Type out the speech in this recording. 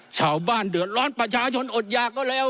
ชาวบ้านเดือดร้อนประชาชนอดหยากก็แล้ว